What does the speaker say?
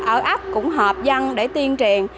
ở ấp cũng hợp dân để tiên triền